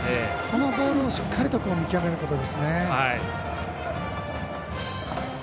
このボールをしっかりと見極めることですね。